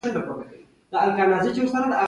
د احمد او علي ترمنځ د لانجو پرېکړې وشولې.